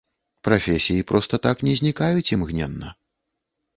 Прафесіі проста так не знікаюць імгненна.